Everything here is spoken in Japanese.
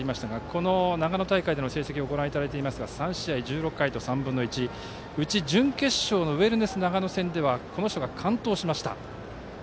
この長野大会での成績をご覧いただいていますが３試合１６回と３分の１そのうち準決勝のウェルネス長野戦ではこの人が完投しました。